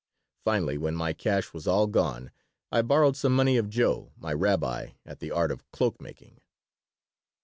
Finally, when my cash was all gone, I borrowed some money of Joe, my "rabbi" at the art of cloak making.